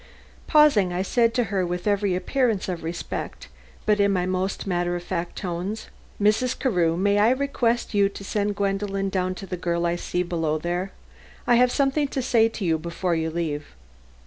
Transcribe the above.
Pausing, I said to her with every appearance of respect, but in my most matter of fact tones: "Mrs. Carew, may I request you to send Gwendolen down to the girl I see below there? I have something to say to you before you leave."